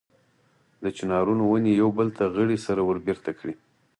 د چنارونو ونې یو بل ته غړۍ سره وربېرته کړي.